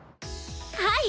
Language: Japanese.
はい。